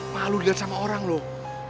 malu dilihat sama orang loh